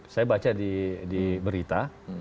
saya baca di berita